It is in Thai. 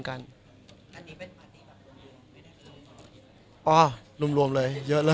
ทัณฑ์หลายนะ